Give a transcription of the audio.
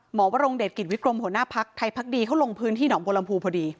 วรงเดชกิจวิกรมหัวหน้าพักไทยพักดีเขาลงพื้นที่หนองบัวลำพูพอดี